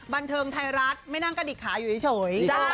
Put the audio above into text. บันเทิงไทยรัฐไม่นั่งกระดิกขาอยู่เฉย